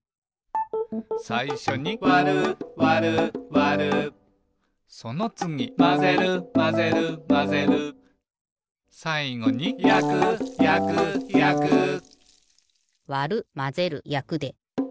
さいしょに「わるわるわる」そのつぎ「まぜるまぜるまぜる」さいごに「やくやくやく」わるまぜるやくで。